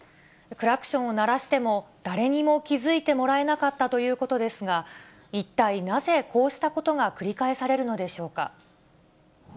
クラクションを鳴らしても、誰にも気づいてもらえなかったということですが、一体なぜこうしたことが繰り返されるのでしょうか。